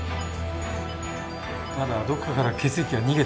まだどこかから血液が逃げてるんです。